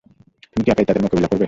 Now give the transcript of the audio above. তুমি কি একাই তাদের মোকাবিলা করবে?